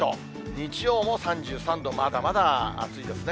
日曜も３３度、まだまだ暑いですね。